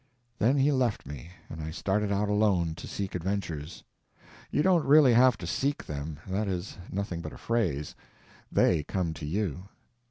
Then he left me, and I started out alone to seek adventures. You don't really have to seek them—that is nothing but a phrase—they come to you.